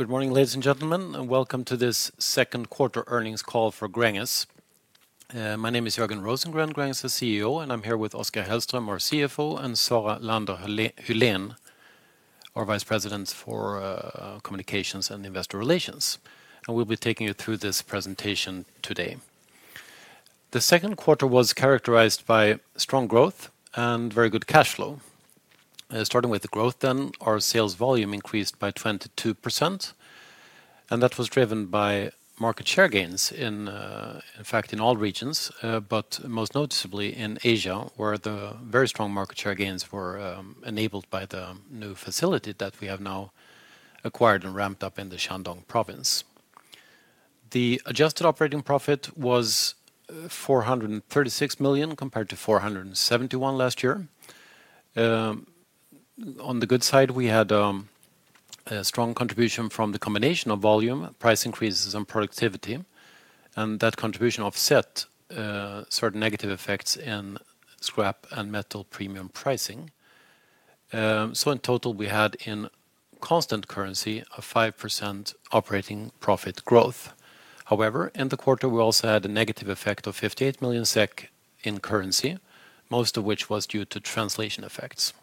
Good morning, ladies and gentlemen, and welcome to this second quarter earnings call for Gränges. My name is Jörgen Rosengren, Gränges' CEO, and I'm here with Oskar Hellström, our CFO, and Sara Lander Hyléen, our Vice President for Communications and Investor Relations. We'll be taking you through this presentation today. The second quarter was characterized by strong growth and very good cash flow. Starting with the growth, our sales volume increased by 22%, and that was driven by market share gains, in fact, in all regions, but most noticeably in Asia, where the very strong market share gains were enabled by the new facility that we have now acquired and ramped up in the Shandong province. The adjusted operating profit was 436 million compared to 471 million last year. On the good side, we had a strong contribution from the combination of volume, price increases, and productivity, and that contribution offset certain negative effects in scrap and metal premium pricing. In total, we had in constant currency a 5% operating profit growth. However, in the quarter, we also had a negative effect of 58 million SEK in currency, most of which was due to translation effects.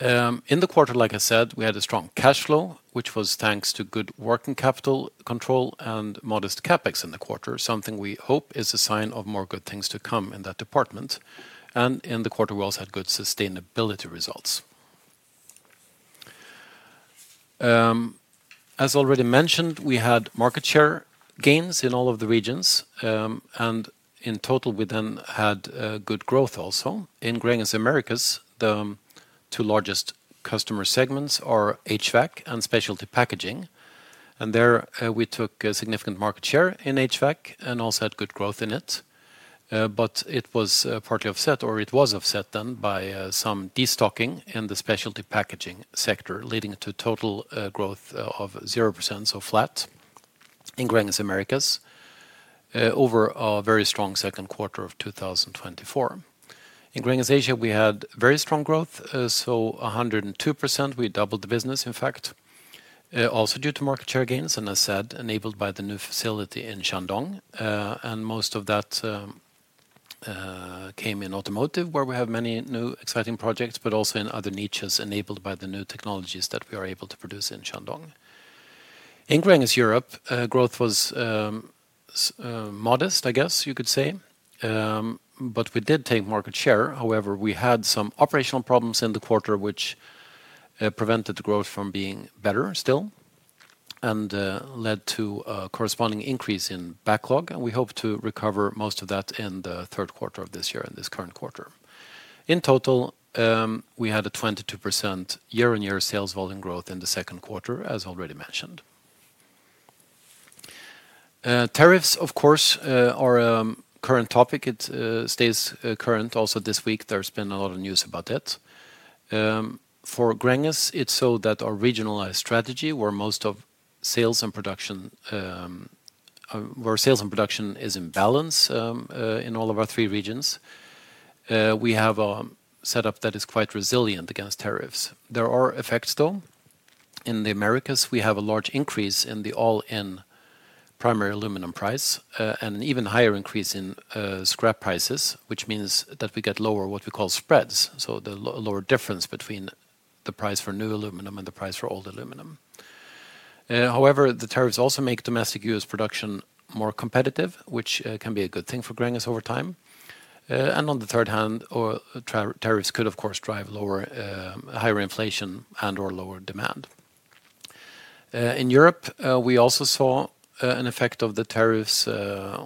In the quarter, we had a strong cash flow, which was thanks to good working capital control and modest CapEx in the quarter, something we hope is a sign of more good things to come in that department. In the quarter, we also had good sustainability results. As already mentioned, we had market share gains in all of the regions, and in total, we then had good growth also. In Gränges Americas, the two largest customer segments are HVAC and specialty packaging, and there we took significant market share in HVAC and also had good growth in it, but it was partly offset or it was offset then by some destocking in the specialty packaging sector, leading to a total growth of 0%, so flat, in Gränges Americas over a very strong second quarter of 2024. In Gränges Asia, we had very strong growth, so 102%. We doubled the business, in fact, also due to market share gains, and as I said, enabled by the new facility in Shandong, and most of that came in automotive, where we have many new exciting projects, but also in other niches enabled by the new technologies that we are able to produce in Shandong. In Gränges Europe, growth was modest, I guess you could say, but we did take market share. However, we had some operational problems in the quarter, which prevented growth from being better still and led to a corresponding increase in backlog, and we hope to recover most of that in the third quarter of this year, in this current quarter. In total, we had a 22% year-on-year sales volume growth in the second quarter, as already mentioned. Tariffs, of course, are a current topic. It stays current also this week. There's been a lot of news about it. For Gränges, it's so that our regionalized strategy, where most of sales and production is in balance in all of our three regions, we have a setup that is quite resilient against tariffs. There are effects, though. In the Americas, we have a large increase in the all-in primary aluminum price and an even higher increase in scrap prices, which means that we get lower what we call spreads, so the lower difference between the price for new aluminum and the price for old aluminum. However, the tariffs also make domestic U.S. production more competitive, which can be a good thing for Gränges over time, and on the third hand, tariffs could, of course, drive higher inflation and/or lower demand. In Europe, we also saw an effect of the tariffs,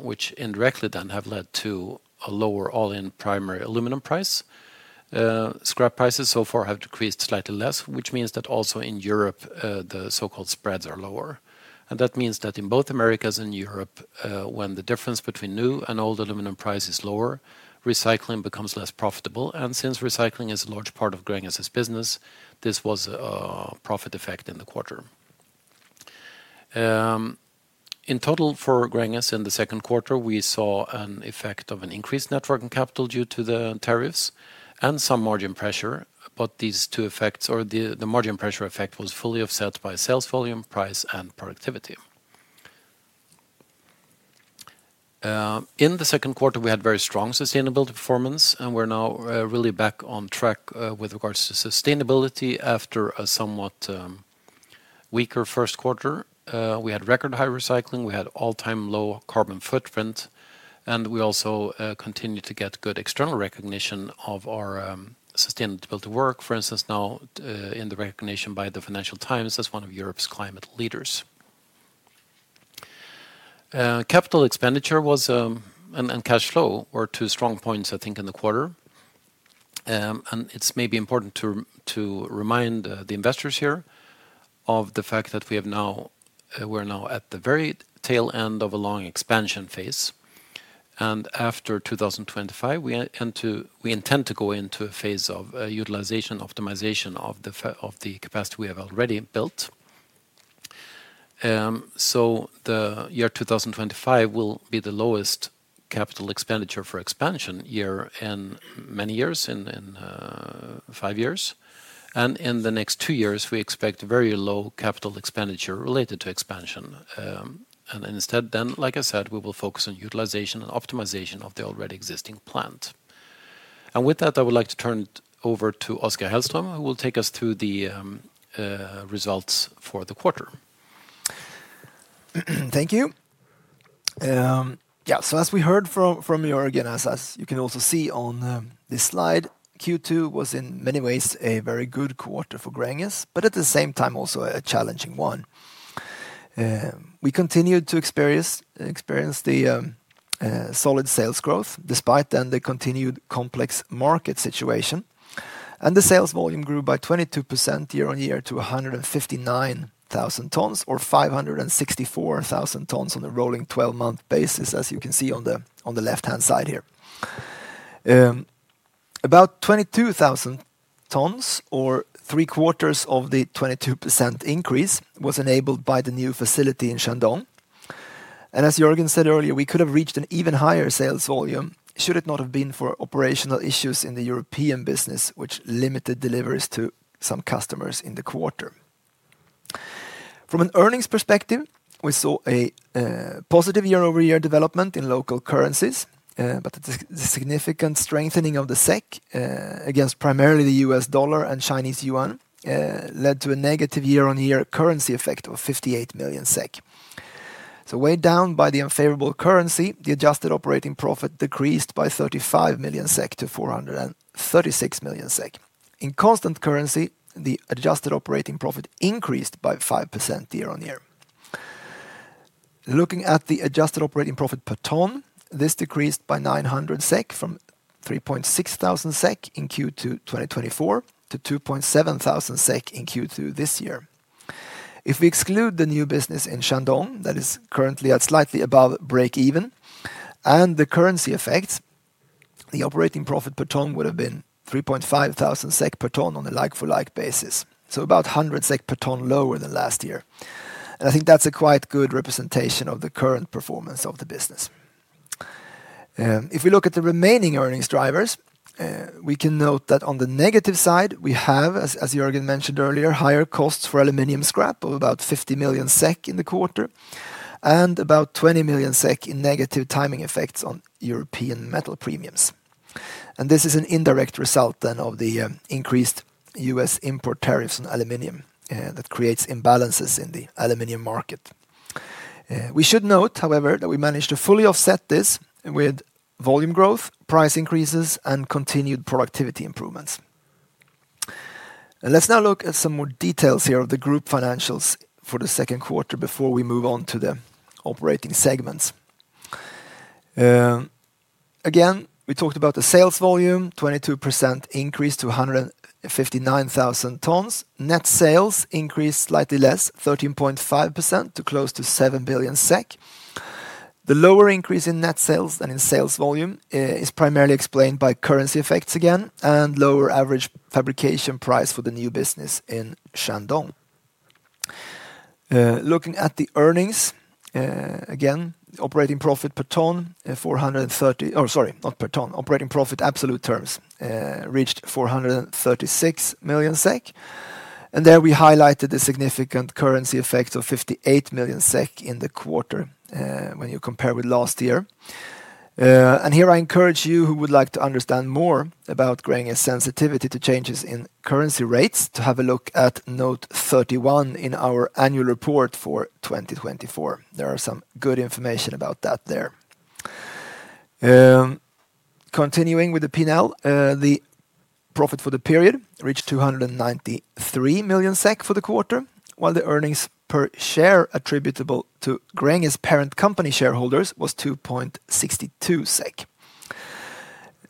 which indirectly then have led to a lower all-in primary aluminum price. Scrap prices so far have decreased slightly less, which means that also in Europe, the so-called spreads are lower, and that means that in both Americas and Europe, when the difference between new and old aluminum price is lower, recycling becomes less profitable, and since recycling is a large part of Gränges' business, this was a profit effect in the quarter. In total, for Gränges in the second quarter, we saw an effect of an increased networking capital due to the tariffs and some margin pressure, but these two effects or the margin pressure effect was fully offset by sales volume, price, and productivity. In the second quarter, we had very strong sustainability performance, and we're now really back on track with regards to sustainability after a somewhat weaker first quarter. We had record high recycling, we had all-time low carbon footprint, and we also continue to get good external recognition of our sustainability work, for instance, now in the recognition by the Financial Times as one of Europe's climate leaders. Capital expenditure and cash flow were two strong points, I think, in the quarter, and it's maybe important to remind the investors here of the fact that we are now at the very tail end of a long expansion phase. After 2025, we intend to go into a phase of utilization optimization of the capacity we have already built. The year 2025 will be the lowest capital expenditure for expansion year in many years, in five years, and in the next two years, we expect very low capital expenditure related to expansion. Instead, like I said, we will focus on utilization and optimization of the already existing plant. With that, I would like to turn it over to Oskar Hellström, who will take us through the results for the quarter. Thank you. Yeah, as we heard from Jörgen and as you can also see on this slide, Q2 was in many ways a very good quarter for Gränges, but at the same time also a challenging one. We continued to experience the solid sales growth despite the continued complex market situation, and the sales volume grew by 22% year-on-year to 159,000 tons or 564,000 tons on a rolling 12-month basis, as you can see on the left-hand side here. About 22,000 tons or three-quarters of the 22% increase was enabled by the new facility in Shandong, and as Jörgen said earlier, we could have reached an even higher sales volume should it not have been for operational issues in the European business, which limited deliveries to some customers in the quarter. From an earnings perspective, we saw a positive year-over-year development in local currencies, but the significant strengthening of the SEK against primarily the U.S. dollar and Chinese yuan led to a negative year-on-year currency effect of 58 million SEK. Weighed down by the unfavorable currency, the adjusted operating profit decreased by 35 million-436 million SEK. In constant currency, the adjusted operating profit increased by 5% year-on-year. Looking at the adjusted operating profit per ton, this decreased by 900 SEK from 3,600 SEK in Q2 2024-SEK 2,700 in Q2 this year. If we exclude the new business in Shandong that is currently at slightly above breakeven and the currency effect, the operating profit per ton would have been 3,500 SEK per ton on a like-for-like basis, so about 100 SEK per ton lower than last year, and I think that's a quite good representation of the current performance of the business. If we look at the remaining earnings drivers, we can note that on the negative side, we have, as Jörgen mentioned earlier, higher costs for aluminum scrap of about 50 million SEK in the quarter and about 20 million SEK in negative timing effects on European metal premiums, and this is an indirect result of the increased U.S. import tariffs on aluminum that creates imbalances in the aluminum market. We should note, however, that we managed to fully offset this with volume growth, price increases, and continued productivity improvements. Let's now look at some more details here of the group financials for the second quarter before we move on to the operating segments. Again, we talked about the sales volume, 22% increase to 159,000 tons. Net sales increased slightly less, 13.5%, to close to 7 billion SEK. The lower increase in net sales than in sales volume is primarily explained by currency effects again and lower average fabrication price for the new business in Shandong. Looking at the earnings, again, the operating profit, 430, or sorry, not per ton, operating profit in absolute terms reached 436 million SEK, and there we highlighted the significant currency effect of 58 million SEK in the quarter when you compare with last year. I encourage you who would like to understand more about Gränges' sensitivity to changes in currency rates to have a look at note 31 in our annual report for 2024. There is some good information about that there. Continuing with the P&L, the profit for the period reached 293 million SEK for the quarter, while the earnings per share attributable to Gränges' parent company shareholders was 2.62 SEK.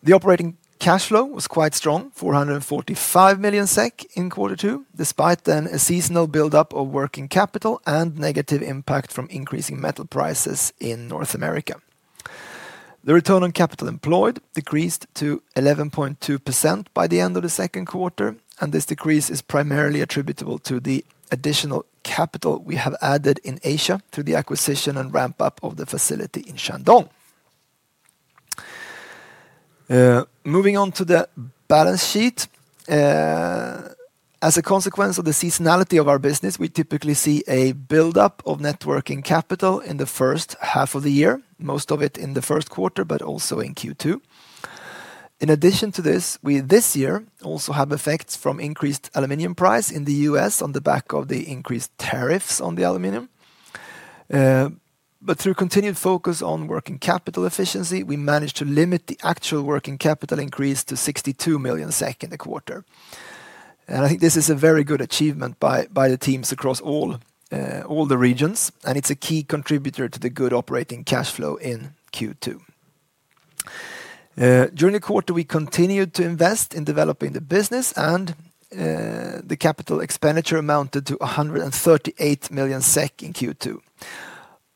The operating cash flow was quite strong, 445 million SEK in quarter two, despite a seasonal buildup of working capital and negative impact from increasing metal prices in North America. The return on capital employed decreased to 11.2% by the end of the second quarter, and this decrease is primarily attributable to the additional capital we have added in Asia through the acquisition and ramp-up of the facility in Shandong. Moving on to the balance sheet, as a consequence of the seasonality of our business, we typically see a buildup of net working capital in the first half of the year, most of it in the first quarter, but also in Q2. In addition to this, we this year also have effects from increased aluminum price in the U.S. on the back of the increased tariffs on the aluminum, but through continued focus on working capital efficiency, we managed to limit the actual working capital increase to 62 million SEK in the quarter. I think this is a very good achievement by the teams across all the regions, and it's a key contributor to the good operating cash flow in Q2. During the quarter, we continued to invest in developing the business, and the capital expenditure amounted to 138 million SEK in Q2.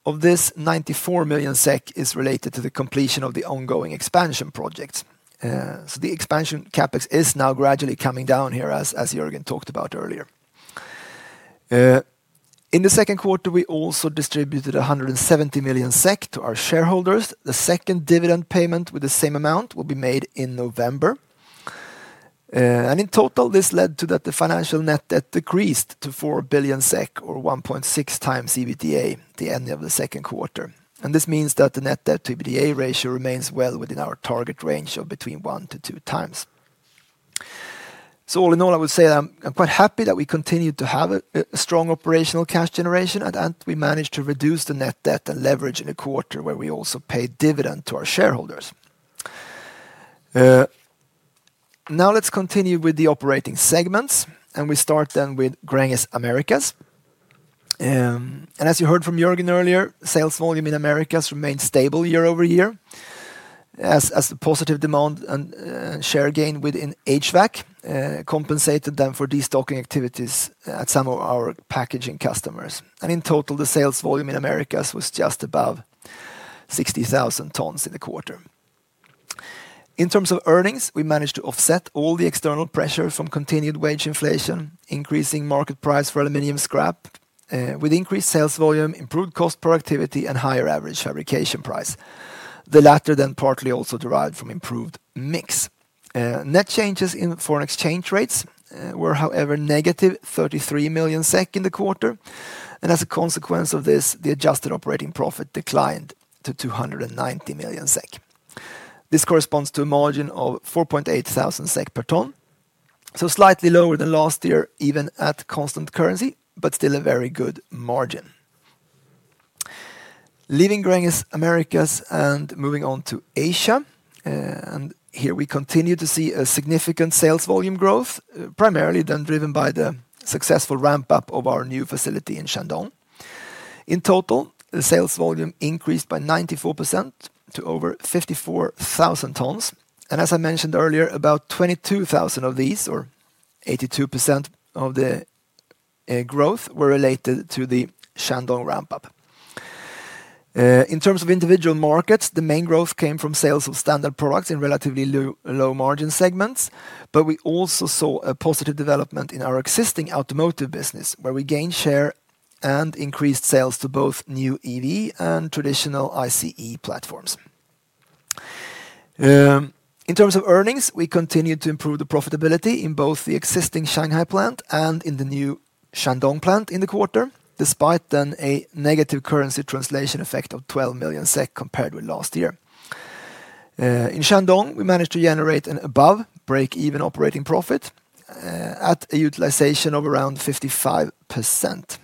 Of this, 94 million SEK is related to the completion of the ongoing expansion projects. The expansion CapEx is now gradually coming down here, as Jörgen talked about earlier. In the second quarter, we also distributed 170 million SEK to our shareholders. The second dividend payment with the same amount will be made in November, and in total, this led to that the financial net debt decreased to 4 billion SEK or 1.6 times EBITDA at the end of the second quarter. This means that the net debt to EBITDA ratio remains well within our target range of between 1-2 times. All in all, I would say that I'm quite happy that we continue to have a strong operational cash generation and that we managed to reduce the net debt and leverage in a quarter where we also paid dividend to our shareholders. Now, let's continue with the operating segments, and we start then with Gränges Americas. As you heard from Jörgen earlier, sales volume in Americas remains stable year-over-year, as the positive demand and share gain within HVAC compensated them for destocking activities at some of our packaging customers. In total, the sales volume in Americas was just above 60,000 tons in the quarter. In terms of earnings, we managed to offset all the external pressure from continued wage inflation, increasing market price for aluminum scrap, with increased sales volume, improved cost productivity, and higher average fabrication price, the latter then partly also derived from improved mix. Net changes in foreign exchange rates were, however, -33 million SEK in the quarter, and as a consequence of this, the adjusted operating profit declined to 290 million SEK. This corresponds to a margin of 4,800 SEK per ton, so slightly lower than last year, even at constant currency, but still a very good margin. Leaving Gränges Americas and moving on to Asia, here we continue to see a significant sales volume growth, primarily then driven by the successful ramp-up of our new facility in Shandong. In total, the sales volume increased by 94% to over 54,000 tons, and as I mentioned earlier, about 22,000 of these, or 82% of the growth, were related to the Shandong ramp-up. In terms of individual markets, the main growth came from sales of standard products in relatively low margin segments, but we also saw a positive development in our existing automotive business, where we gained share and increased sales to both new EV and traditional ICE platforms. In terms of earnings, we continued to improve the profitability in both the existing Shanghai plant and in the new Shandong plant in the quarter, despite then a negative currency translation effect of 12 million SEK compared with last year. In Shandong, we managed to generate an above break-even operating profit at a utilization of around 55%,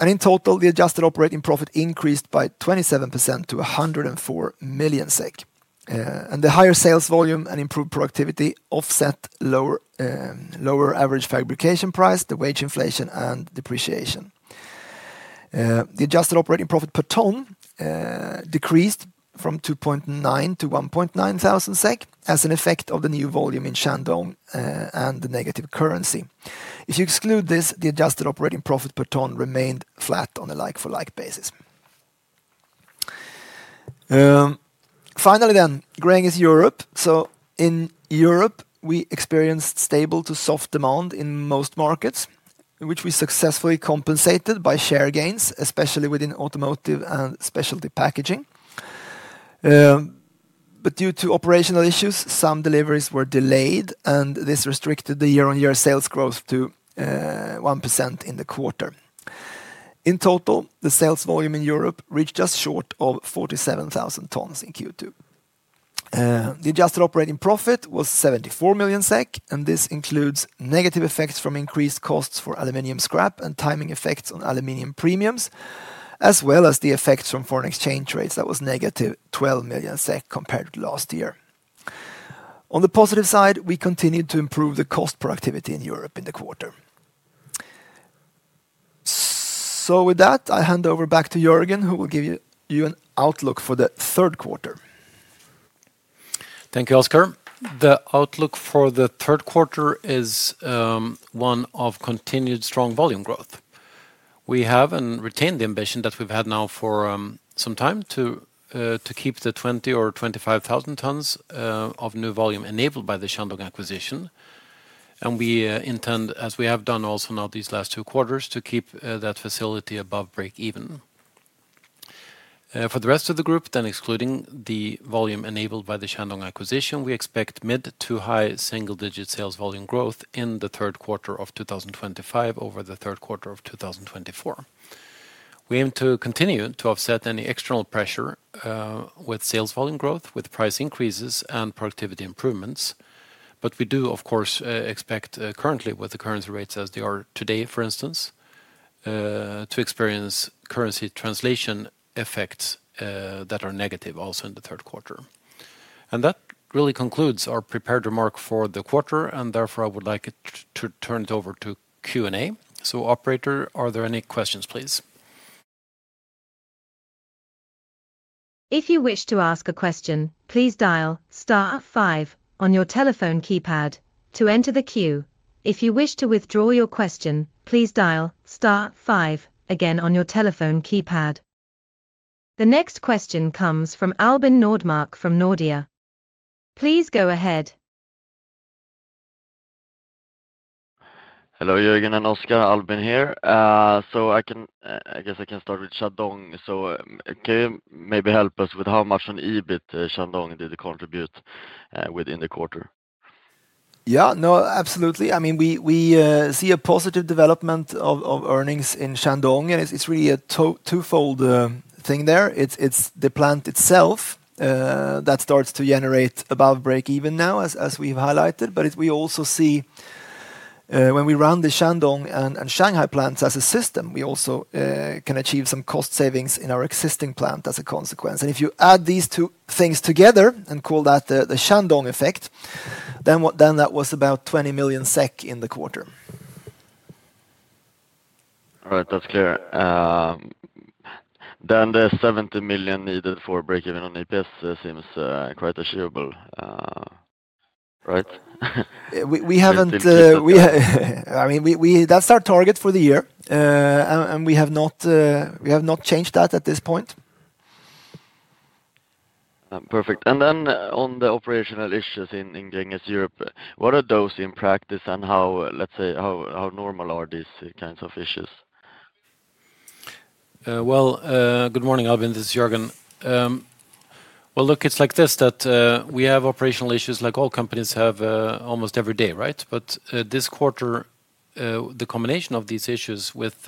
and in total, the adjusted operating profit increased by 27% to 104 million SEK, and the higher sales volume and improved productivity offset lower average fabrication price, the wage inflation, and depreciation. The adjusted operating profit per ton decreased from 2,900-1,900 SEK as an effect of the new volume in Shandong and the negative currency. If you exclude this, the adjusted operating profit per ton remained flat on a like-for-like basis. Finally then, Gränges Europe. In Europe, we experienced stable to soft demand in most markets, which we successfully compensated by share gains, especially within automotive and specialty packaging, but due to operational issues, some deliveries were delayed, and this restricted the year-on-year sales growth to 1% in the quarter. In total, the sales volume in Europe reached just short of 47,000 tons in Q2. The adjusted operating profit was 74 million SEK, and this includes negative effects from increased costs for aluminum scrap and timing effects on aluminum premiums, as well as the effects from foreign exchange rates that were -12 million SEK compared with last year. On the positive side, we continued to improve the cost productivity in Europe in the quarter. With that, I hand over back to Jörgen, who will give you an outlook for the third quarter. Thank you, Oskar. The outlook for the third quarter is one of continued strong volume growth. We have and retain the ambition that we've had now for some time to keep the 20,000 or 25,000 tons of new volume enabled by the Shandong acquisition, and we intend, as we have done also now these last two quarters, to keep that facility above break even. For the rest of the group, then excluding the volume enabled by the Shandong acquisition, we expect mid to high single-digit sales volume growth in the third quarter of 2025 over the third quarter of 2024. We aim to continue to offset any external pressure with sales volume growth, with price increases, and productivity improvements. We do, of course, expect currently with the currency rates as they are today, for instance, to experience currency translation effects that are negative also in the third quarter. That really concludes our prepared remark for the quarter, and therefore, I would like to turn it over to Q&A. Operator, are there any questions, please? If you wish to ask a question, please dial star five on your telephone keypad to enter the queue. If you wish to withdraw your question, please dial star five again on your telephone keypad. The next question comes from Albin Nordmark from Nordea. Please go ahead. Hello, Jörgen and Oskar. Albin here. I guess I can start with Shandong. Can you maybe help us with how much on EBIT Shandong did it contribute within the quarter? Yeah, no, absolutely. I mean, we see a positive development of earnings in Shandong, and it's really a twofold thing there. It's the plant itself that starts to generate above break even now, as we've highlighted, but we also see when we run the Shandong and Shanghai plants as a system, we also can achieve some cost savings in our existing plant as a consequence. If you add these two things together and call that the Shandong effect, then that was about 20 million SEK in the quarter. All right, that's clear. The 70 million needed for break even on EPS seems quite achievable, right? We haven't, I mean, that's our target for the year and we have not changed that at this point. Perfect. On the operational issues in Gränges Europe, what are those in practice, and how, let's say, how normal are these kinds of issues? Good morning, Albin. This is Jörgen. It's like this: we have operational issues like all companies have almost every day, right? This quarter, the combination of these issues with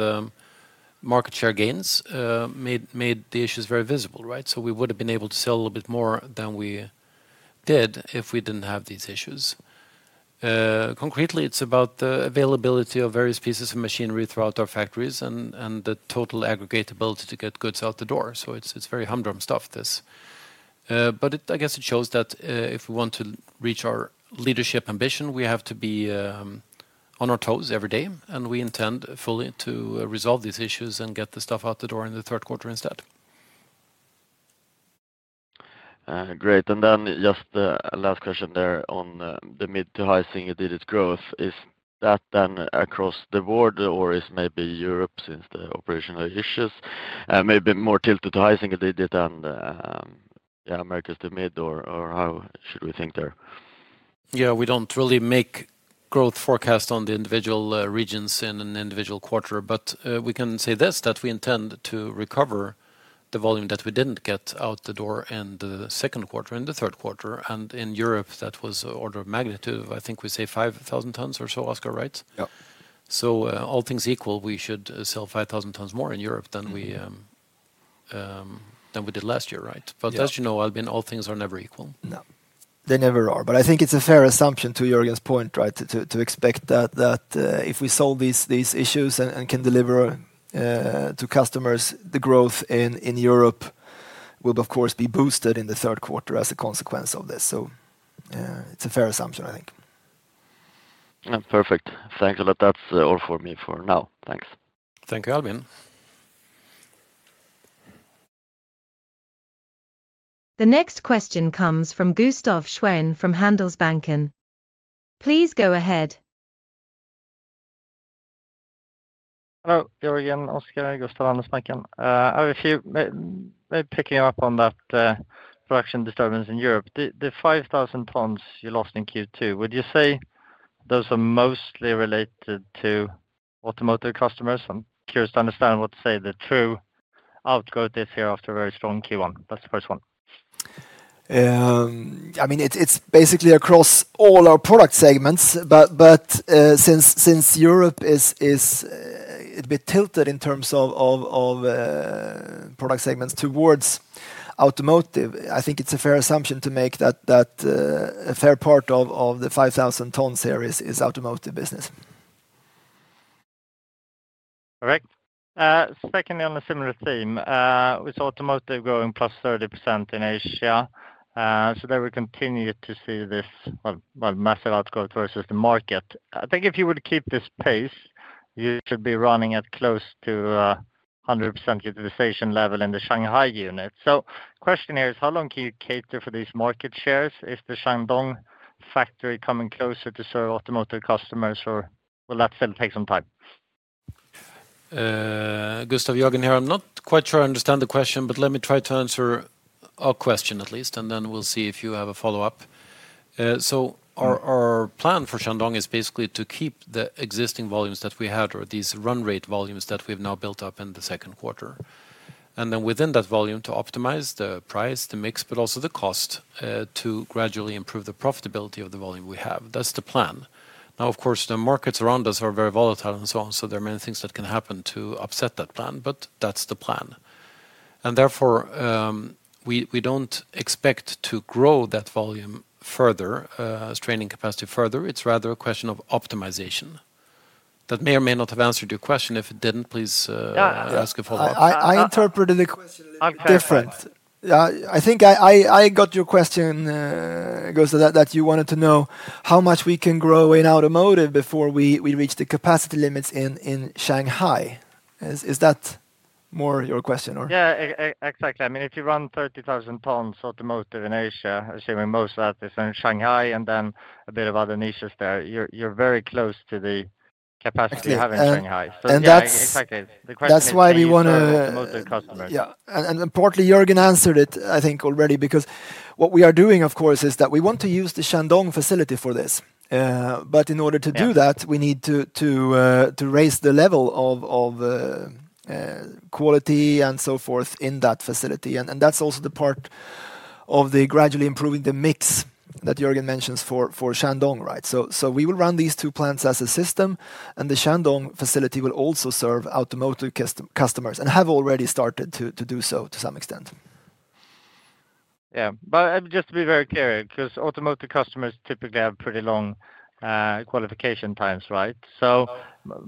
market share gains made the issues very visible, right? We would have been able to sell a little bit more than we did if we didn't have these issues. Concretely, it's about the availability of various pieces of machinery throughout our factories and the total aggregate ability to get goods out the door. It's very humdrum stuff, this. I guess it shows that if we want to reach our leadership ambition, we have to be on our toes every day, and we intend fully to resolve these issues and get the stuff out the door in the third quarter instead. Great. Just the last question there on the mid to high single-digit growth. Is that then across the board, or is maybe Europe, since the operational issues, maybe more tilted to high single-digit and Americas to mid, or how should we think there? Yeah, we don't really make growth forecasts on the individual regions in an individual quarter, but we can say this: we intend to recover the volume that we didn't get out the door in the second quarter and the third quarter, and in Europe, that was an order of magnitude, I think we say 5,000 tons or so, Oskar, right? Yeah. All things equal, we should sell 5,000 tons more in Europe than we did last year, right? As you know, Albin, all things are never equal. No, they never are, but I think it's a fair assumption to Jörgen's point, right, to expect that if we solve these issues and can deliver to customers, the growth in Europe will, of course, be boosted in the third quarter as a consequence of this. It's a fair assumption, I think. Perfect. Thanks a lot. That's all for me for now. Thanks. Thank you, Albin. The next question comes from Gustaf Schwerin from Handelsbanken. Please go ahead. Hello, Jörgen, Oskar, and Gustav, Handelsbanken. I have a few, maybe picking up on that production disturbance in Europe. The 5,000 tons you lost in Q2, would you say those are mostly related to automotive customers? I'm curious to understand what to say the true outgrowth is here after a very strong Q1. That's the first one. I mean, it's basically across all our product segments, but since Europe is a bit tilted in terms of product segments towards automotive, I think it's a fair assumption to make that a fair part of the 5,000-ton series is automotive business. Perfect. Secondly, on a similar theme, with automotive growing plus 30% in Asia, there we continue to see this massive outgrowth versus the market. I think if you would keep this pace, you should be running at close to 100% utilization level in the Shanghai unit. The question here is how long can you cater for these market shares? Is the Shandong factory coming closer to serve automotive customers, or will that still take some time? Gustaf, Jörgen here. I'm not quite sure I understand the question, but let me try to answer a question at least, and then we'll see if you have a follow-up. Our plan for Shandong is basically to keep the existing volumes that we had or these run rate volumes that we've now built up in the second quarter, and then within that volume to optimize the price, the mix, but also the cost to gradually improve the profitability of the volume we have. That's the plan. Of course, the markets around us are very volatile and so on, so there are many things that can happen to upset that plan, but that's the plan. Therefore, we don't expect to grow that volume further, straining capacity further. It's rather a question of optimization. That may or may not have answered your question. If it didn't, please ask a follow-up. I interpreted the question a little bit differently. I think I got your question, Gustaf, that you wanted to know how much we can grow in automotive before we reach the capacity limits in Shanghai. Is that more your question? Yeah, exactly. I mean, if you run 30,000 tons automotive in Asia, I assume most of that is in Shanghai and then a bit of other niches there. You're very close to the capacity you have in Shanghai. That is why we want to... Yeah, and partly, Jörgen answered it, I think, already, because what we are doing, of course, is that we want to use the Shandong facility for this. In order to do that, we need to raise the level of quality and so forth in that facility, and that's also part of the gradually improving the mix that Jörgen mentions for Shandong, right? We will run these two plants as a system, and the Shandong facility will also serve automotive customers and has already started to do so to some extent. Yeah. Just to be very clear, because automotive customers typically have pretty long qualification times, right?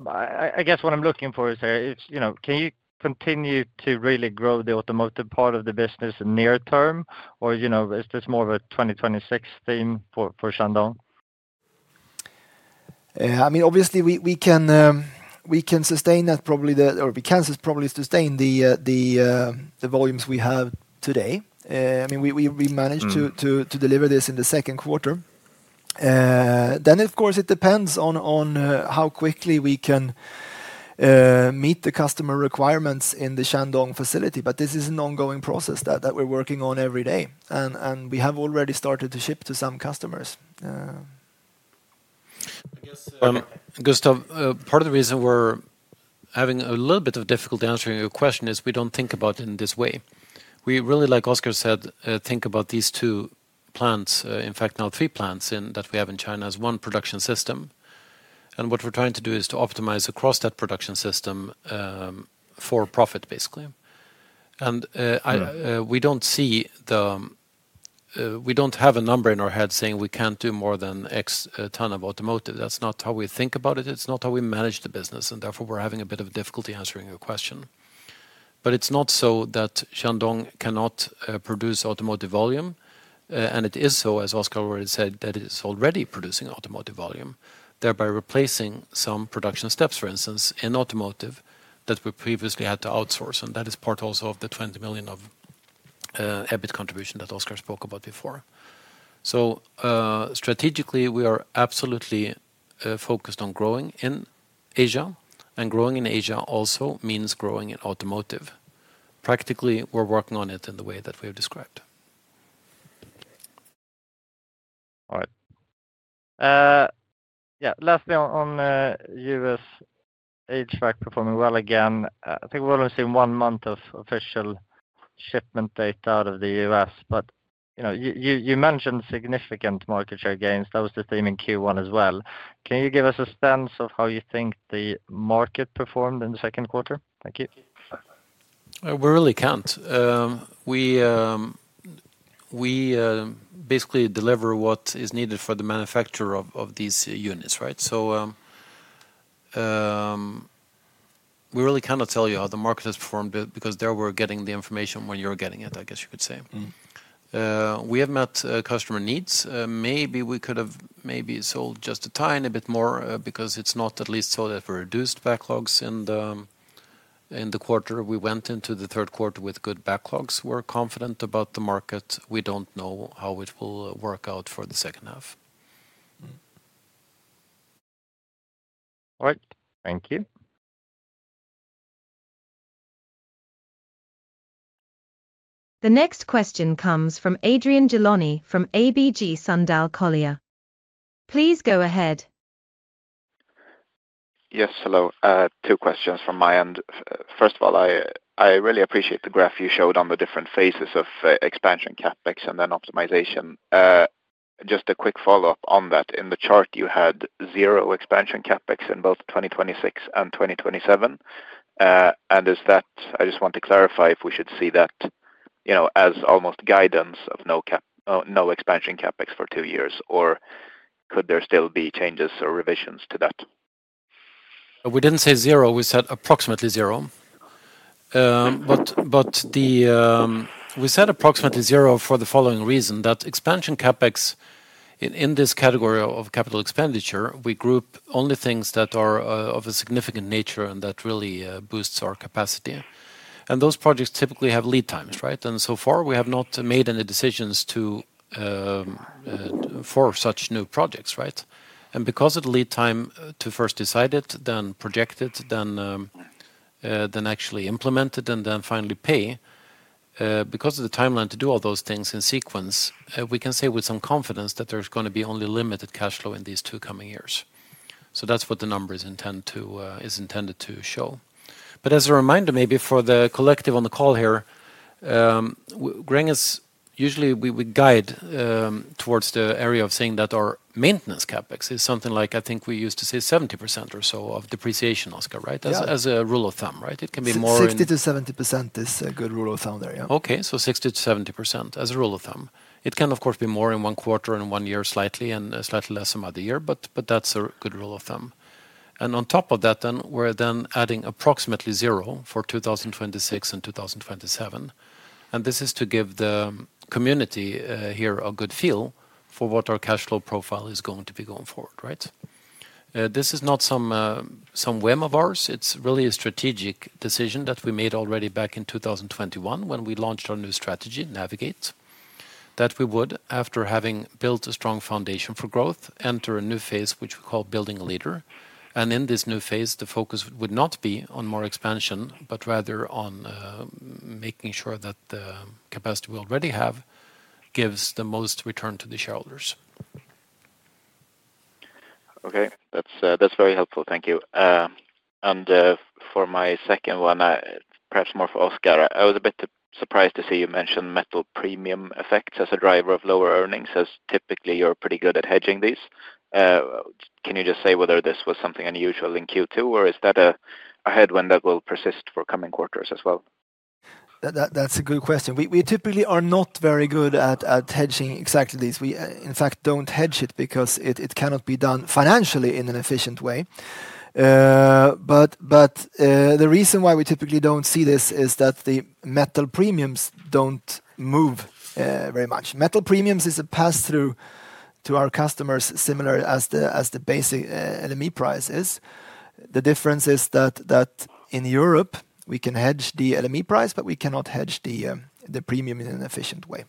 I guess what I'm looking for here is, can you continue to really grow the automotive part of the business in the near term, or is this more of a 2026 theme for Shandong? Obviously, we can probably sustain the volumes we have today. We managed to deliver this in the second quarter. Of course, it depends on how quickly we can meet the customer requirements in the Shandong facility, but this is an ongoing process that we're working on every day, and we have already started to ship to some customers. I guess, Gustaf, part of the reason we're having a little bit of difficulty answering your question is we don't think about it in this way. We really, like Oskar said, think about these two plants, in fact, now three plants that we have in China as one production system, and what we're trying to do is to optimize across that production system for profit, basically. We don't see the... We don't have a number in our head saying we can't do more than X ton of automotive. That's not how we think about it. It's not how we manage the business, and therefore, we're having a bit of difficulty answering your question. It's not so that Shandong cannot produce automotive volume, and it is so, as Oskar already said, that it is already producing automotive volume, thereby replacing some production steps, for instance, in automotive that we previously had to outsource, and that is part also of the 20 million of EBIT contribution that Oskar spoke about before. Strategically, we are absolutely focused on growing in Asia, and growing in Asia also means growing in automotive. Practically, we're working on it in the way that we have described. All right. Lastly, on the U.S., HVAC performing well again. I think we've only seen one month of official shipment data out of the U.S., but you mentioned significant market share gains. That was the theme in Q1 as well. Can you give us a sense of how you think the market performed in the second quarter? Thank you. We really can't. We basically deliver what is needed for the manufacturer of these units, right? We really cannot tell you how the market has performed because they were getting the information when you're getting it, I guess you could say. We have met customer needs. Maybe we could have sold just a tiny bit more because it's not at least so that we reduced backlogs in the quarter. We went into the third quarter with good backlogs. We're confident about the market. We don't know how it will work out for the second half. All right, thank you. The next question comes from Adrian Gilani from ABG Sundal Collier. Please go ahead. Yes, hello. Two questions from my end. First of all, I really appreciate the graph you showed on the different phases of expansion CapEx and then optimization. Just a quick follow-up on that. In the chart, you had zero expansion CapEx in both 2026 and 2027. Is that, I just want to clarify if we should see that as almost guidance of no expansion CapEx for two years, or could there still be changes or revisions to that? We didn't say zero. We said approximately zero. We said approximately zero for the following reason: that expansion CapEx in this category of capital expenditure, we group only things that are of a significant nature and that really boost our capacity. Those projects typically have lead times, right? So far, we have not made any decisions for such new projects, right? Because of the lead time to first decide it, then project it, then actually implement it, and then finally pay, because of the timeline to do all those things in sequence, we can say with some confidence that there's going to be only limited cash flow in these two coming years. That's what the numbers intend to show. As a reminder, maybe for the collective on the call here, Gränges usually we guide towards the area of saying that our maintenance CapEx is something like, I think we used to say 70% or so of depreciation, Oskar, right? As a rule of thumb, right? It can be more. 60%-70% is a good rule of thumb there, yeah. Okay, so 60%-70% as a rule of thumb. It can, of course, be more in one quarter and one year, slightly less in another year, but that's a good rule of thumb. On top of that, we're adding approximately zero for 2026 and 2027, and this is to give the community here a good feel for what our cash flow profile is going to be going forward, right? This is not some whim of ours. It's really a strategic decision that we made already back in 2021 when we launched our new strategy, Navigate, that we would, after having built a strong foundation for growth, enter a new phase which we call Building a Leader. In this new phase, the focus would not be on more expansion, but rather on making sure that the capacity we already have gives the most return to the shareholders. Okay, that's very helpful. Thank you. For my second one, perhaps more for Oskar, I was a bit surprised to see you mention metal premium effects as a driver of lower earnings, as typically you're pretty good at hedging these. Can you just say whether this was something unusual in Q2, or is that a headwind that will persist for coming quarters as well? That's a good question. We typically are not very good at hedging exactly these. We, in fact, don't hedge it because it cannot be done financially in an efficient way. The reason why we typically don't see this is that the metal premiums don't move very much. Metal premiums are a pass-through to our customers, similar as the basic LME price is. The difference is that in Europe, we can hedge the LME price, but we cannot hedge the premium in an efficient way.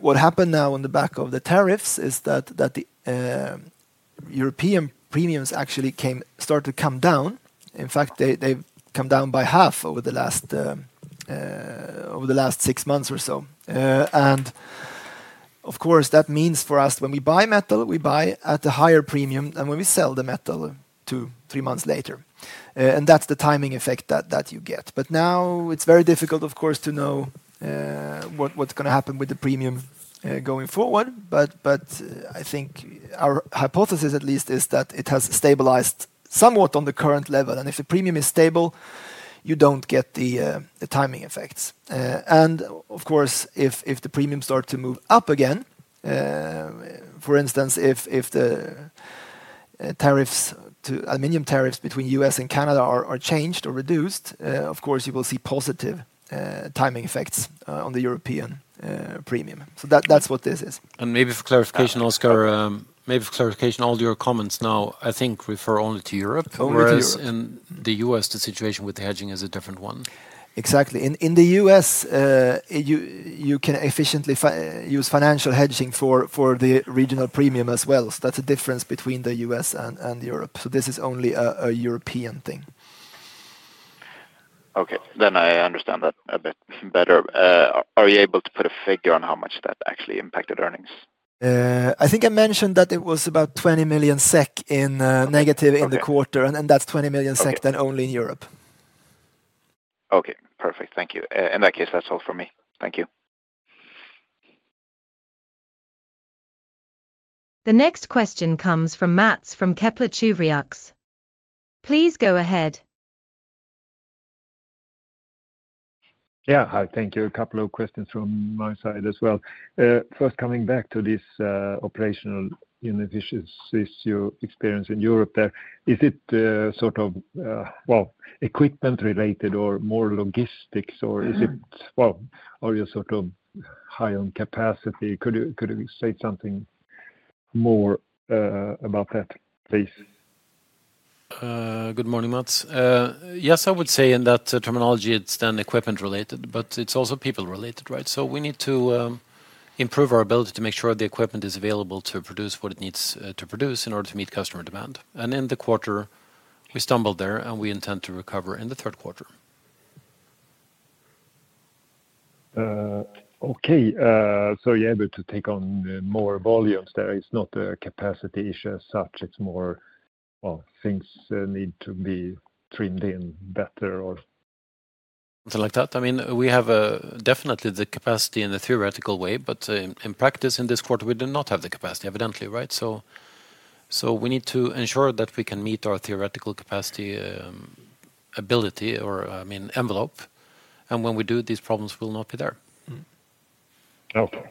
What happened now on the back of the tariffs is that the European premiums actually started to come down. In fact, they've come down by half over the last six months or so. That means for us when we buy metal, we buy at a higher premium than when we sell the metal two, three months later. That's the timing effect that you get. Now it's very difficult, of course, to know what's going to happen with the premium going forward. I think our hypothesis, at least, is that it has stabilized somewhat on the current level. If the premium is stable, you don't get the timing effects. Of course, if the premium starts to move up again, for instance, if the tariffs to aluminum tariffs between the U.S. and Canada are changed or reduced, you will see positive timing effects on the European premium. That's what this is. For clarification, Oskar, all your comments now, I think, refer only to Europe. Overall. In the U.S., the situation with the hedging is a different one. Exactly. In the U.S., you can efficiently use financial hedging for the regional premium as well. That's a difference between the U.S. and Europe. This is only a European thing. Okay, I understand that a bit better. Are you able to put a figure on how much that actually impacted earnings? I think I mentioned that it was about 20 million SEK in negative in the quarter, and that's 20 million SEK then only in Europe. Okay, perfect. Thank you. In that case, that's all from me. Thank you. The next question comes from Mats from Kepler Cheuvreux. Please go ahead. Yeah, hi. Thank you. A couple of questions from my side as well. First, coming back to this operational inefficiencies you experience in Europe there, is it sort of, equipment related or more logistics, or is it, are you sort of high on capacity? Could you say something more about that, please? Good morning, Mats. Yes, I would say in that terminology, it's then equipment related, but it's also people related, right? We need to improve our ability to make sure the equipment is available to produce what it needs to produce in order to meet customer demand. In the quarter, we stumbled there, and we intend to recover in the third quarter. Okay. You are able to take on more volumes there. It's not a capacity issue as such. It's more that things need to be trimmed in better or... We have definitely the capacity in a theoretical way, but in practice in this quarter, we do not have the capacity, evidently, right? We need to ensure that we can meet our theoretical capacity ability or, I mean, envelope. When we do, these problems will not be there. Okay.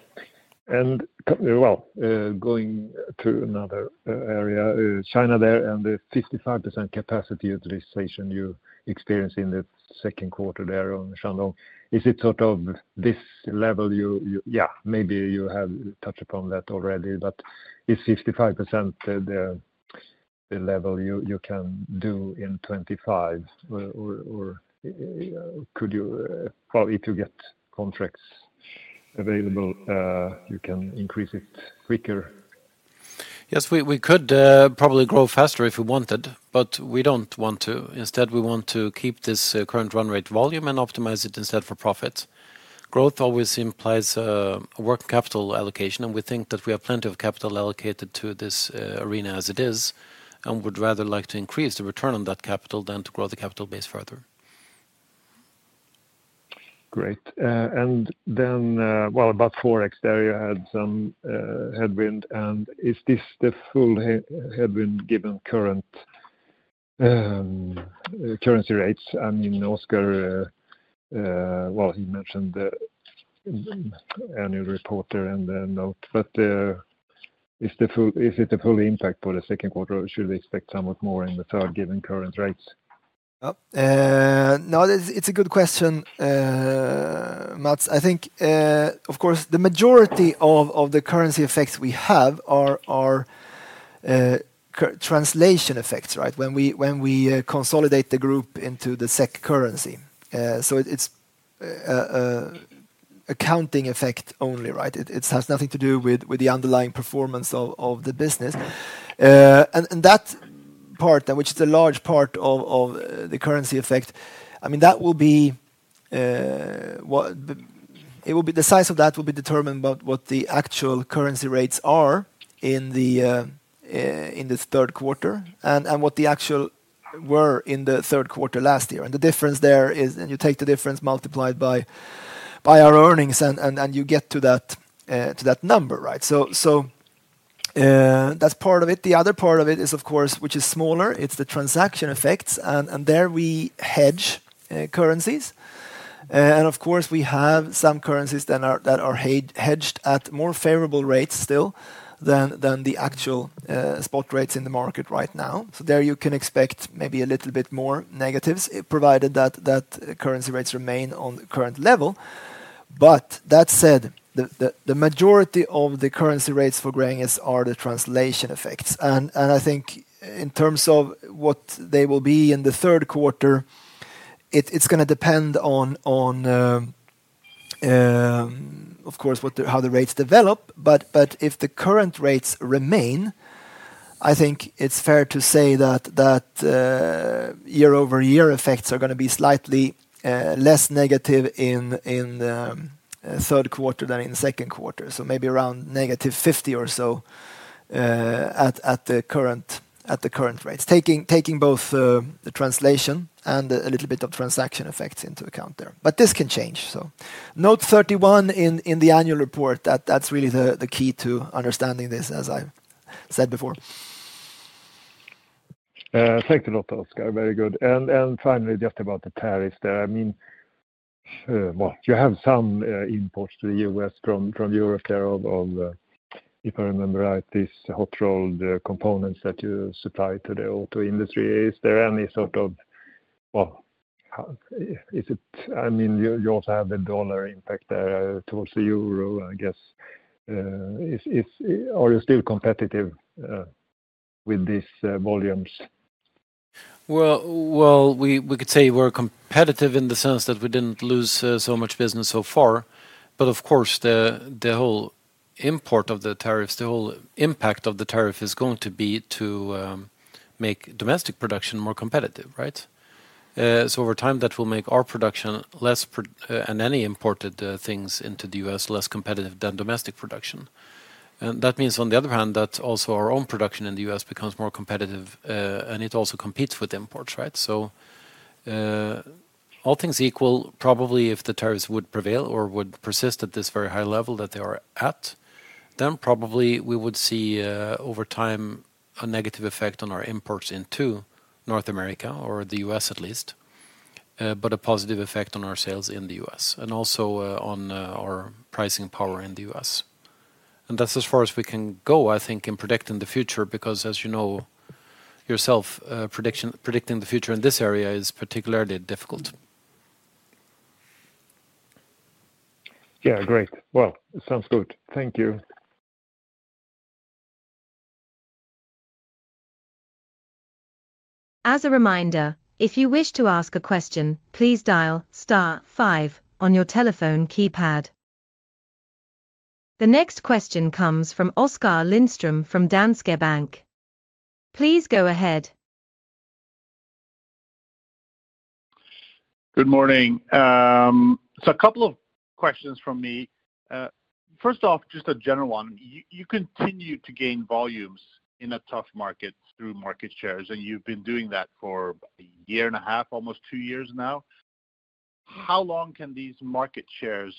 Going to another area, China there, and the 55% capacity utilization you experienced in the second quarter there on Shandong, is it sort of this level you... Maybe you have touched upon that already, but is 55% the level you can do in 2025, or could you... If you get contracts available, you can increase it quicker? Yes, we could probably grow faster if we wanted, but we don't want to. Instead, we want to keep this current run rate volume and optimize it instead for profit. Growth always implies a working capital allocation, and we think that we have plenty of capital allocated to this arena as it is and would rather like to increase the return on that capital than to grow the capital base further. Great. About Forex there, you had some headwind, and is this the full headwind given current currency rates? I mean, Oskar, he mentioned the annual report there in the note, but is it the full impact for the second quarter, or should we expect somewhat more in the third given current rates? No, it's a good question, Mats. I think, of course, the majority of the currency effects we have are currency translation effects, right? When we consolidate the group into the SEK currency, it's an accounting effect only. It has nothing to do with the underlying performance of the business. That part, which is a large part of the currency effect, will be determined by what the actual currency rates are in the third quarter and what the actual rates were in the third quarter last year. The difference there is, you take the difference multiplied by our earnings, and you get to that number, right? That's part of it. The other part of it is, of course, smaller. It's the transaction effects, and there we hedge currencies. We have some currencies that are hedged at more favorable rates still than the actual spot rates in the market right now. There you can expect maybe a little bit more negatives provided that currency rates remain on the current level. That said, the majority of the currency rates for Gränges are the translation effects. I think in terms of what they will be in the third quarter, it's going to depend on how the rates develop. If the current rates remain, I think it's fair to say that year-over-year effects are going to be slightly less negative in the third quarter than in the second quarter. Maybe around -50 million or so at the current rates, taking both the translation and a little bit of transaction effects into account there. This can change. Note 31 in the annual report, that's really the key to understanding this, as I said before. Thanks a lot, Oskar. Very good. Finally, just about the tariffs there. I mean, you have some imports to the U.S. from Europe of, if I remember right, these hot-rolled components that you supply to the auto industry. Is there any sort of... I mean, you also have the dollar impact there towards the euro, I guess. Are you still competitive with these volumes? We could say we're competitive in the sense that we didn't lose so much business so far. Of course, the whole import of the tariffs, the whole impact of the tariff is going to be to make domestic production more competitive, right? Over time, that will make our production less, and any imported things into the U.S., less competitive than domestic production. That means, on the other hand, that also our own production in the U.S. becomes more competitive, and it also competes with imports, right? All things equal, probably if the tariffs would prevail or would persist at this very high level that they are at, then probably we would see over time a negative effect on our imports into North America or the U.S. at least, but a positive effect on our sales in the U.S. and also on our pricing power in the U.S. That's as far as we can go, I think, in predicting the future, because as you know yourself, predicting the future in this area is particularly difficult. Great. It sounds good. Thank you. As a reminder, if you wish to ask a question, please dial star five on your telephone keypad. The next question comes from Oskar Lindström from Danske Bank. Please go ahead. Good morning. A couple of questions from me. First off, just a general one. You continue to gain volumes in a tough market through market shares, and you've been doing that for a year and a half, almost two years now. How long can these market share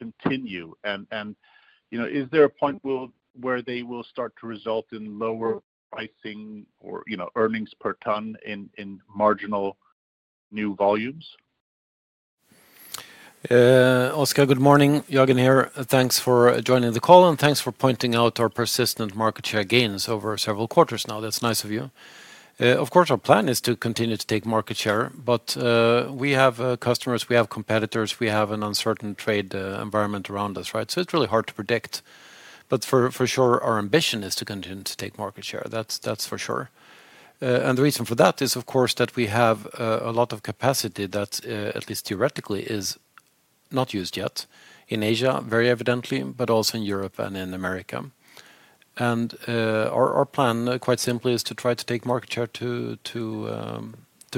gains continue? Is there a point where they will start to result in lower pricing or earnings per ton in marginal new volumes? Oskar, good morning. Jörgen here. Thanks for joining the call and thanks for pointing out our persistent market share gains over several quarters now. That's nice of you. Of course, our plan is to continue to take market share. We have customers, we have competitors, we have an uncertain trade environment around us, right? It's really hard to predict. For sure, our ambition is to continue to take market share. That's for sure. The reason for that is, of course, that we have a lot of capacity that, at least theoretically, is not used yet in Asia, very evidently, but also in Europe and in the Americas. Our plan, quite simply, is to try to take market share to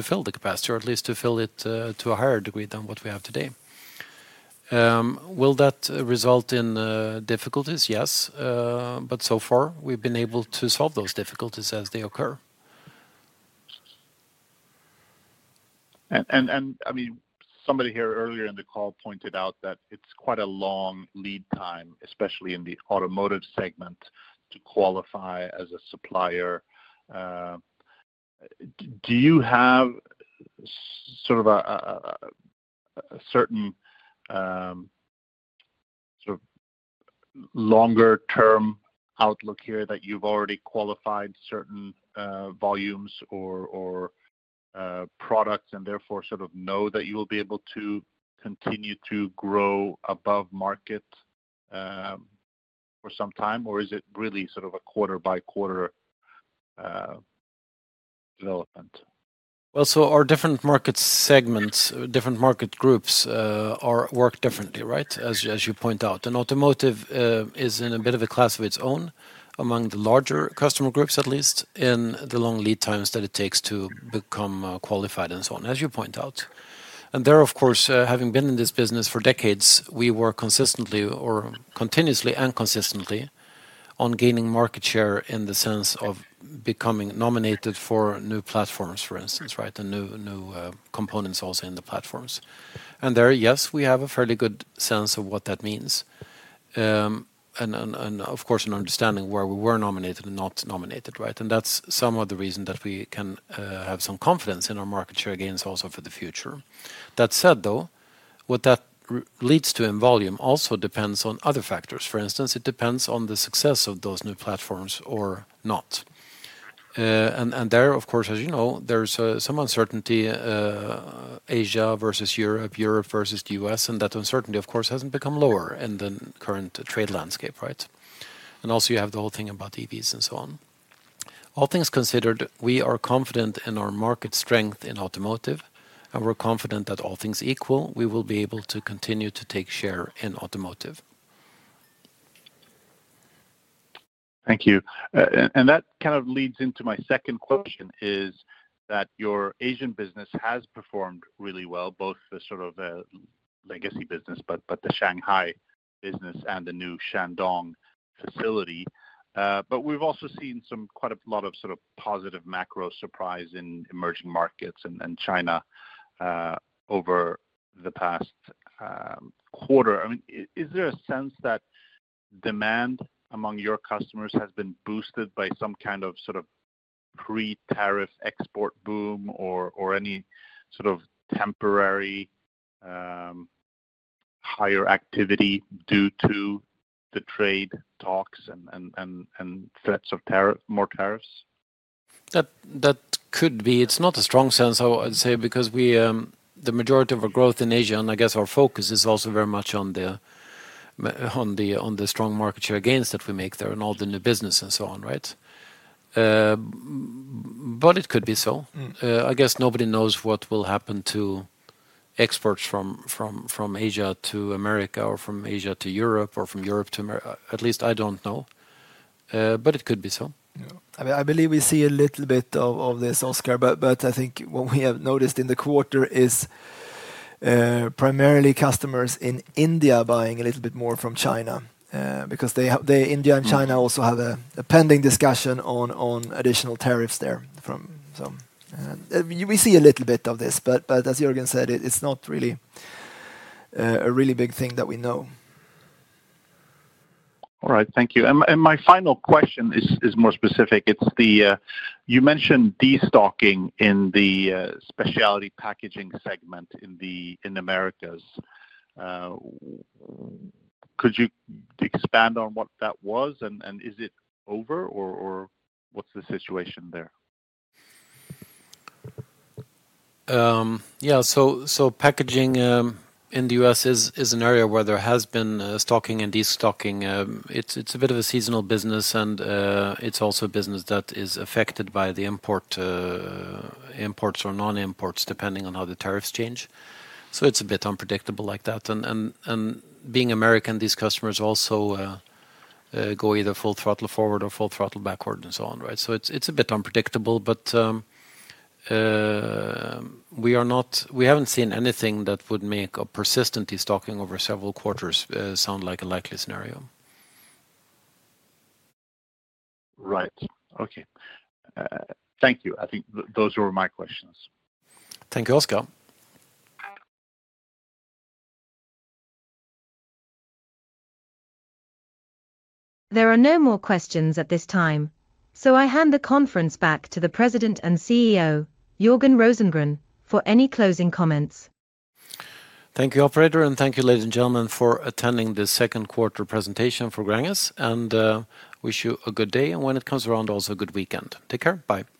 fill the capacity or at least to fill it to a higher degree than what we have today. Will that result in difficulties? Yes. So far, we've been able to solve those difficulties as they occur. Somebody here earlier in the call pointed out that it's quite a long lead time, especially in the automotive segment, to qualify as a supplier. Do you have sort of a certain longer-term outlook here that you've already qualified certain volumes or products and therefore sort of know that you will be able to continue to grow above market for some time, or is it really sort of a quarter-by-quarter development? Our different market segments, different market groups work differently, right? As you point out, automotive is in a bit of a class of its own among the larger customer groups, at least in the long lead times that it takes to become qualified and so on, as you point out. There, of course, having been in this business for decades, we work continuously and consistently on gaining market share in the sense of becoming nominated for new platforms, for instance, right? New components also in the platforms. There, yes, we have a fairly good sense of what that means and, of course, an understanding where we were nominated and not nominated, right? That's some of the reason that we can have some confidence in our market share gains also for the future. That said, though, what that leads to in volume also depends on other factors. For instance, it depends on the success of those new platforms or not. There, of course, as you know, there's some uncertainty, Asia versus Europe, Europe versus the U.S., and that uncertainty, of course, hasn't become lower in the current trade landscape, right? Also, you have the whole thing about EVs and so on. All things considered, we are confident in our market strength in automotive, and we're confident that all things equal, we will be able to continue to take share in automotive. Thank you. That kind of leads into my second question. Your Asian business has performed really well, both the sort of legacy business, the Shanghai business, and the new Shandong facility. We've also seen quite a lot of positive macro surprise in emerging markets and China over the past quarter. Is there a sense that demand among your customers has been boosted by some kind of pre-tariff export boom or any temporary higher activity due to the trade talks and threats of more tariffs? That could be. It's not a strong sense, I would say, because the majority of our growth in Asia, and I guess our focus is also very much on the strong market share gains that we make there and all the new business and so on, right? It could be so. I guess nobody knows what will happen to exports from Asia to Americas or from Asia to Europe or from Europe to Americas. At least I don't know. It could be so. I believe we see a little bit of this, Oskar, but I think what we have noticed in the quarter is primarily customers in India buying a little bit more from China because India and China also have a pending discussion on additional tariffs there. We see a little bit of this, but as Jörgen said, it's not really a really big thing that we know. All right, thank you. My final question is more specific. You mentioned destocking in the specialty packaging segment in the Americas. Could you expand on what that was, and is it over or what's the situation there? Packaging in the U.S. is an area where there has been stocking and destocking. It's a bit of a seasonal business, and it's also a business that is affected by the imports or non-imports depending on how the tariffs change. It's a bit unpredictable like that. Being American, these customers also go either full throttle forward or full throttle backward and so on, right? It's a bit unpredictable, but we haven't seen anything that would make a persistent destocking over several quarters sound like a likely scenario. Right. Okay. Thank you. I think those were my questions. Thank you, Oskar. There are no more questions at this time, so I hand the conference back to the President and CEO, Jörgen Rosengren, for any closing comments. Thank you, operator, and thank you, ladies and gentlemen, for attending this second quarter presentation for Gränges, and wish you a good day and when it comes around, also a good weekend. Take care. Bye.